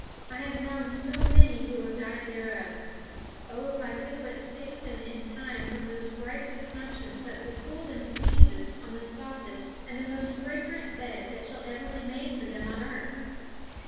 I have known so many who have died thereof. Oh if I could but save them in time from those gripes of conscience that will pull them to pieces on the softest and the most fragrant bed that shall ever be made for them on earth!